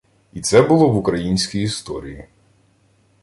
І це було в українській історії